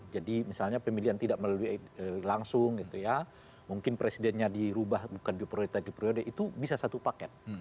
jadi misalnya pemilihan tidak melalui langsung mungkin presidennya dirubah bukan di prioritas prioritas itu bisa satu paket